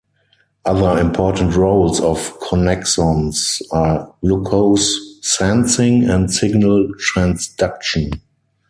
Other important roles of connexons are glucose sensing and signal transduction.